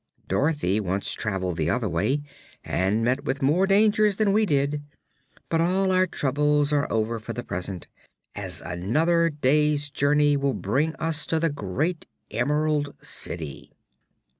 Dorothy once traveled the other way, and met with more dangers than we did. But all our troubles are over for the present, as another day's journey will bring us to the great Emerald City."